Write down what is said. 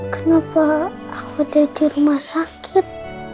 kenapa aku ada di rumah sakit